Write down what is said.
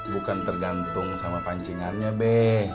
bukan tergantung sama pancingannya be